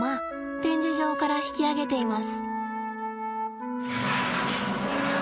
展示場から引き揚げています。